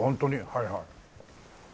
はいはい。